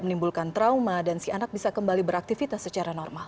menimbulkan trauma dan si anak bisa kembali beraktivitas secara normal